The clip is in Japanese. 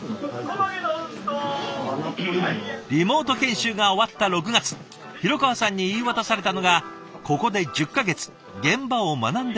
リモート研修が終わった６月廣川さんに言い渡されたのがここで１０か月現場を学んでくること。